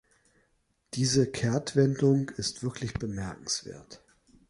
Diese Kehrtwendung ist wirklich bemerkenswert.